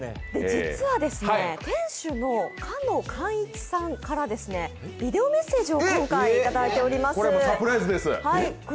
実は店主の神農寛一さんからビデオメッセージを今回、いただいております。